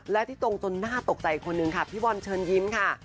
และที่ตรงจนน่าตกใจอีกคนนึงค่ะพี่บอลเชิญยิ้มค่ะ